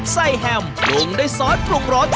ไส้แฮมลงได้ซอสปรุงรส